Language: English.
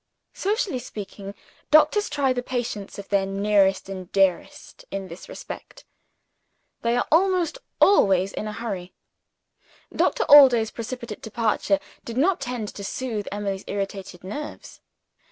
Socially speaking, doctors try the patience of their nearest and dearest friends, in this respect they are almost always in a hurry. Doctor Allday's precipitate departure did not tend to soothe Emily's irritated nerves.